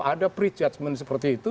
ada prejudgment seperti itu